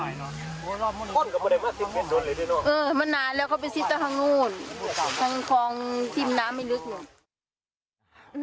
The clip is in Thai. เออมานานแล้วเขาไปซิดตรงทางโน้นทางครองทิมน้ำให้ลึกหน่อย